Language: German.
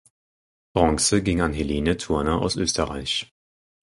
Bronze ging an Helene Thurner aus Österreich.